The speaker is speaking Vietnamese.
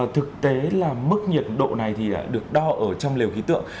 thực tế là mức nhiệt độ này thì được đo ở trong lều khí tượng